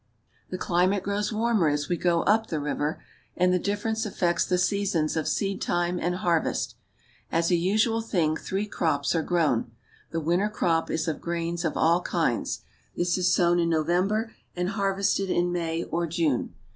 The climate grows warmer as we go up the river, and the difference affects the seasons of seedtime and harvest. As a usual thing three crops are grown. The winter crop is of grains of all kinds. This is sown in November and harvested in May or June.